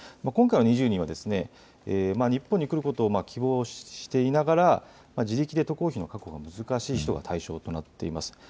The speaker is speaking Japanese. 今回の２０人は日本に来ることを希望していながら自力で渡航費の確保が難しい人が対象となっています。